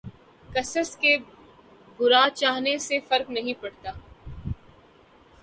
کســـی کے برا چاہنے سے فرق نہیں پڑتا